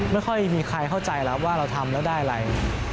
ไม่ค่อยมีใครเข้าใจแล้วว่าเราทำแล้วได้อะไร